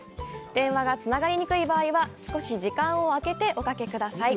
電話がつながりにくい場合は少し時間をあけておかけください。